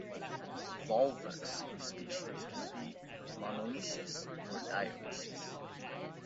"Volvox" species can be monoecious or dioecious.